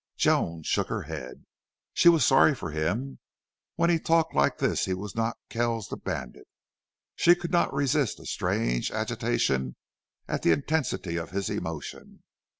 Joan shook her head. She was sorry for him. When he talked like this he was not Kells, the bandit. She could not resist a strange agitation at the intensity of his emotion.